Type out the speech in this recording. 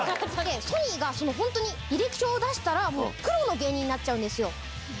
ソニーが本当に履歴書を出したら、プロの芸人になっちゃうんですよ。